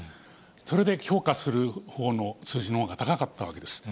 それで評価するほうの数字のほうが高かったわけです。